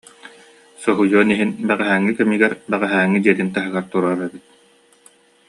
Соһуйуон иһин, бэҕэһээҥҥи кэмигэр, бэҕэһээҥҥи дьиэтин таһыгар турар эбит